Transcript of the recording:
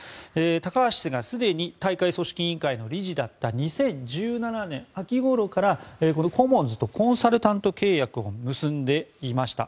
高橋氏がすでに大会組織委員会の理事だった２０１７年秋ごろからコモンズとコンサルタント契約を結んでいました。